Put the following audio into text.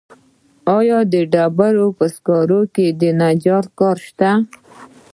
آیا د ډبرو په سکرو کې د نجار کار شته